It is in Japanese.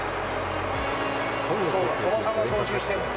そうだ、鳥羽さんが操縦してるんだ。